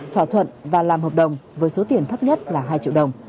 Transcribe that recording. thỏa thuận và làm hợp đồng với số tiền thấp nhất là hai triệu đồng